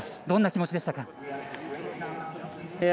どんな気持ちでしたか？